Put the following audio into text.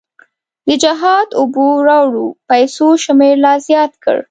د جهاد اوبو راوړو پیسو شمېر لا زیات کړ.